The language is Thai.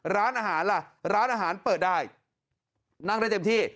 ร้านอาหารล่ะร้านอาหารเปิดได้นั่งได้เต็มที่